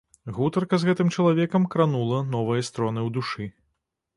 Гутарка з гэтым чалавекам кранула новыя струны ў душы.